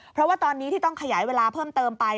เพราะว่าตอนนี้ที่ต้องขยายเวลาเพิ่มเติมไป